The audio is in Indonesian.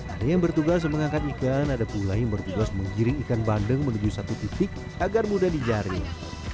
ada yang bertugas mengangkat ikan ada pula yang bertugas menggiring ikan bandeng menuju satu titik agar mudah dijaring